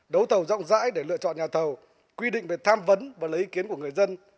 đấu thầu rộng rãi để lựa chọn nhà thầu quy định về tham vấn và lấy ý kiến của người dân